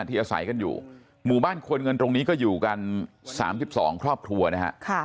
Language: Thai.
อาศัยกันอยู่หมู่บ้านควรเงินตรงนี้ก็อยู่กัน๓๒ครอบครัวนะฮะ